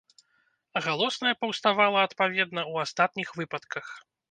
Галосная паўставала, адпаведна, у астатніх выпадках.